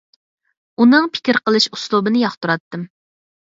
ئۇنىڭ پىكىر قىلىش ئۇسلۇبىنى ياقتۇراتتىم.